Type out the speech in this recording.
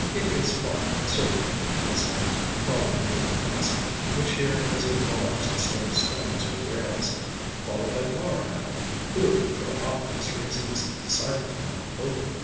"It is fine, certainly," I said, crawling under the fence (which here was of bars instead of stones or rails), followed by Flower Hat, who for obvious reasons, decided to climb over.